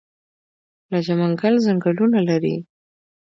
لجه منګل ځنګلونه لري؟